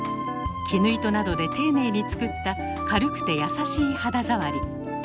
絹糸などで丁寧に作った軽くてやさしい肌触り。